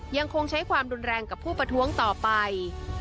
ยังคงใช้ความรุนแรงกับผู้ประท้วงต่อไป